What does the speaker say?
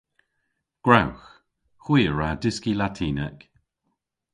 Gwrewgh! Hwi a wra dyski Latinek.